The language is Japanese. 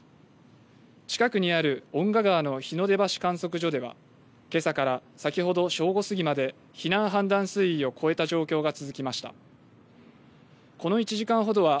近くにある遠賀川の日の出場所観測所ではけさから先ほど正午過ぎまで避難判断水位を超えた状況が続きました。